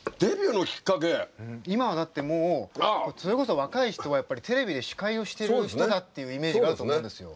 今はだってもうそれこそ若い人はやっぱりテレビで司会をしてる人だっていうイメージがあると思うんですよ。